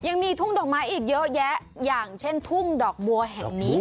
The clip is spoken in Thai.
ยังมีทุ่งดอกไม้อีกเยอะแยะอย่างเช่นทุ่งดอกบัวแห่งนี้